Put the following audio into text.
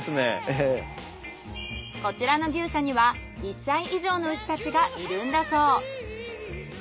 こちらの牛舎には１歳以上の牛たちがいるんだそう。